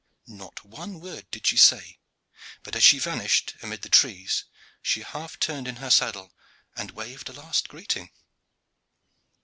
Not one word did she say, but as she vanished amid the trees she half turned in her saddle and waved a last greeting.